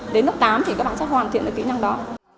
đến lớp tám thì các bạn sẽ hoàn thiện được kỹ năng đó